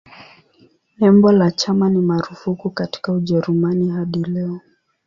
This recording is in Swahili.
Nembo la chama ni marufuku katika Ujerumani hadi leo.